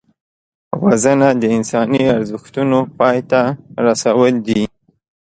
وژنه د انساني ارزښتونو پای ته رسول دي